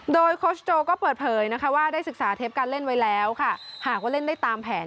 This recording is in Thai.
โดยโคชโจก็เปิดเผยนะคะว่าได้ศึกษาเทปการเล่นไว้แล้วค่ะหากว่าเล่นได้ตามแผน